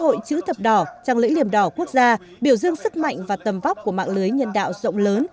hội chữ thập đỏ trăng lưỡi liềm đỏ quốc gia biểu dương sức mạnh và tầm vóc của mạng lưới nhân đạo rộng lớn